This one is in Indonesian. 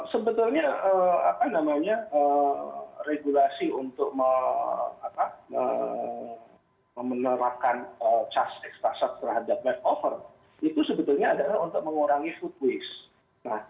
sebetulnya regulasi untuk menerapkan charge extra charge terhadap leftover itu sebetulnya adalah untuk mengurangi food waste